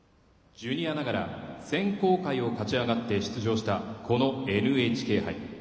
ジュニアながら選考会を勝ち上がって出場した、このＮＨＫ杯。